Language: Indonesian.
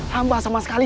tambah sama sekali